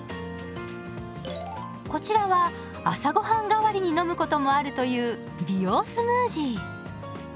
こちらは朝ごはん代わりに飲むこともあるという美容スムージー。